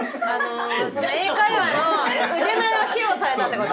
その英会話の腕前を披露されたってこと？